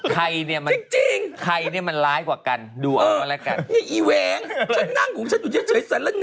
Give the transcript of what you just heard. ใครเนี่ยมันจริงใครเนี่ยมันร้ายกว่ากันดูออกมาแล้วกันเนี่ยอีเหวงฉันนั่งของฉันอยู่เฉยสันละแง